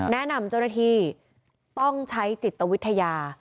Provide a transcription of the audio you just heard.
เจ้าหน้าที่ต้องใช้จิตวิทยา